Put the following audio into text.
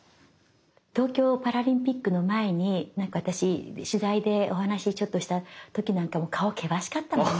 東京パラリンピックの前に何か私取材でお話ちょっとした時なんかも顔険しかったもんね。